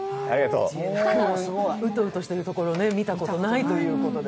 うとうとしてるところを見たことないってことで。